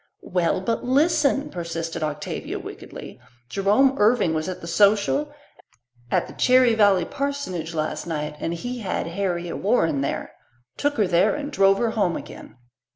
"Well, but listen," persisted Octavia wickedly. "Jerome Irving was at the social at the Cherry Valley parsonage last night, and he had Harriet Warren there took her there, and drove her home again."